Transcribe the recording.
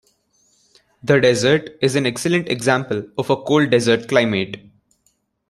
The desert is an excellent example of a cold desert climate.